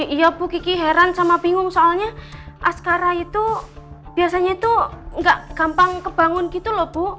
iya bu kiki heran sama bingung soalnya askara itu biasanya itu nggak gampang kebangun gitu loh bu